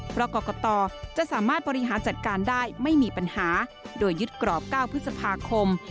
เพราะกรกตจะสามารถบริหารจัดการได้ไม่มีปัญหาโดยยึดกรอบ๙พฤษภาคม